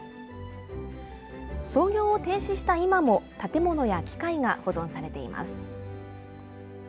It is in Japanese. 操業を停止した今も、建物や機械が保存されています。